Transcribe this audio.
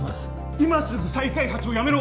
今すぐ再開発をやめろ。